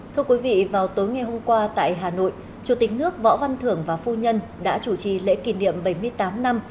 thưa quý vị vào tối ngày hôm qua tại hà nội chủ tịch nước võ văn thưởng và phu nhân đã chủ trì lễ kỷ niệm bảy mươi tám năm